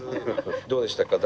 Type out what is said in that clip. どうでしたか？